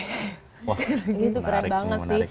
ini tuh keren banget sih